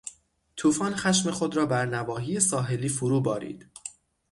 توفان خشم خود را بر نواحی ساحلی فرو بارید.